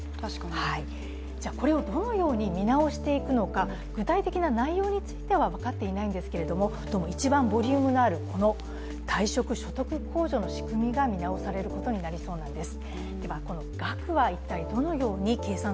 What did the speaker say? これをどのように見直していくのか具体的な内容については分かっていないんですけれども、どうも一番ボリュームのあるこの退職所得控除の仕組みが見直されることになりそうなんです。